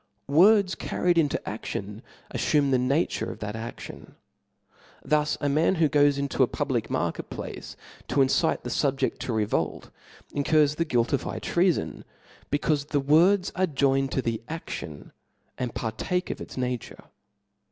Words carried into a<Slion afiiime the nature of that a6lion. Thus a man who goes into a public market place to incite the fubjedt to revolt, incurs the guilt of high treafon, becaufe the words are joined to the adlion, and partake of its nature.